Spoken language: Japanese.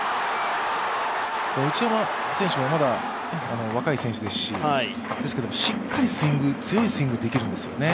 内山選手はまだ若い選手ですし、ですけど、しっかり強いスイングできるんですよね。